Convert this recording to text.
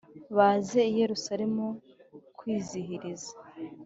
baze i Yerusalemu kwizihiriza